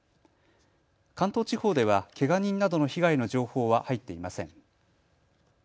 関東地方ではけが人などの被害の情報は入っていません。